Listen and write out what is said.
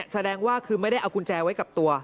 แสดงว่าคือไม่ได้เอากุญแจไว้กับตัว